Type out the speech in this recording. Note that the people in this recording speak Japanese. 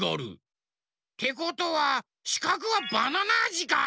てことはしかくはバナナあじか！